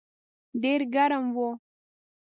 ډېر ګرم و.